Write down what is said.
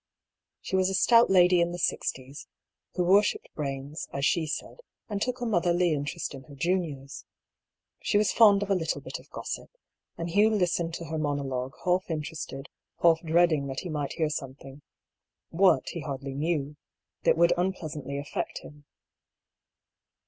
She was a stout lady in the sixties, who worshipped brains, as she said, and took a motherly interest in her juniors. She was fond of a little bit of gossip, and Hugh listened to her monologue half interested, half dreading that he might hear something — what, he hardly knew — ^that would unpleasantly affect him.